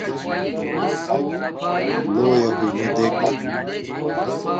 لݸݵݳ ہݸئنݳ دیک.